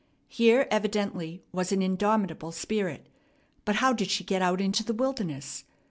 Here evidently was an indomitable spirit, but how did she get out into the wilderness?